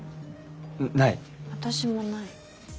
私もない。